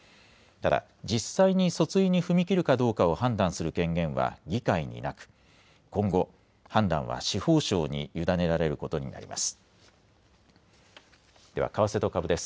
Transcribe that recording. ただ実際に訴追に踏み切るかどうかを判断する権限は議会になく今後、判断は司法省に委ねられることになります。